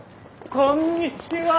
こんにちは。